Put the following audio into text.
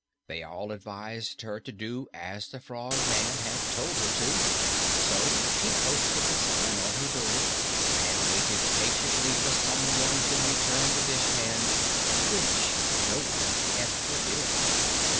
They all advised her to do as the Frogman had told her to, so she posted the sign on her door and waited patiently for someone to return the dishpan which no one ever did.